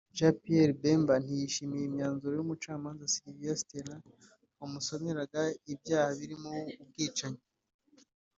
Jean Pierre Bemba ntiyishimiye imyanzuro y’umucamanza Sylvia Steiner wasomusomeraga ibyaha birimo ubwicanyi